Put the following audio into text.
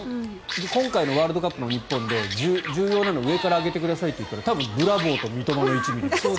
今回のワールドカップの日本で重要なのを一番上から挙げてくださいと言ったらブラボーと三笘の１ｍｍ。